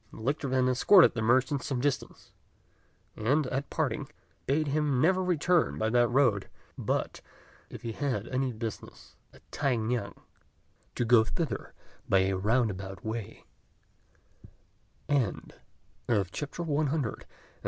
The lictor then escorted the merchant some distance; and, at parting, bade him never return by that road, but, if he had any business at T'ai ngan, to go thither by a roundabout way.